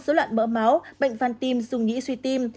số loạn mỡ máu bệnh phan tim dùng nhĩ suy tim